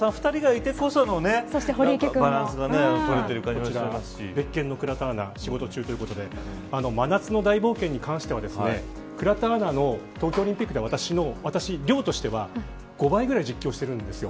２人がいてこその別件の倉田アナが仕事中ということで真夏の大冒険に関しては倉田アナの東京オリンピックで私、量としては５倍ぐらい実況しているんです。